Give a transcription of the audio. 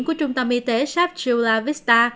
của trung tâm y tế san diego